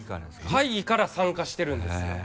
会議から参加してるんですよ。